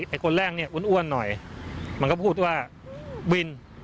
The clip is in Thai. ไอ้คนแรกเนี่ยอ้วนหน่อยมันก็พูดว่าวิน